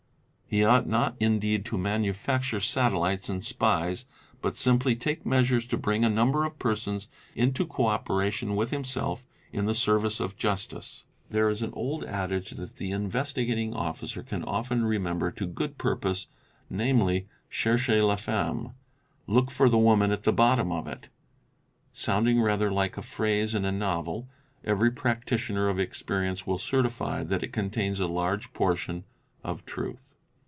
He ought not indeed to manufacture satellites and spies, but simply take measures to bring a number of persons into co operation with himself in the service of justice. There is an old adage that the Investigating Officer can often re _member to good purpose, namely, " Cherchez la femme', '' Look for the woman at the bottom of it'. Sounding rather like a phrase in a novel, _ every practitioner of experience will certify that it contains a large portion of truth.